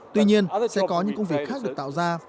tuy nhiên sẽ có những công việc khác được tạo ra